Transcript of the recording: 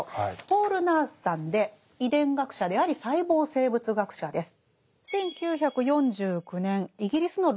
ポール・ナースさんで遺伝学者であり細胞生物学者です。